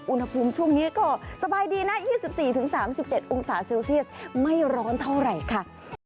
อุณหภูมิช่วงนี้ก็สบายดีนะ๒๔๓๗องศาเซลเซียสไม่ร้อนเท่าไหร่ค่ะ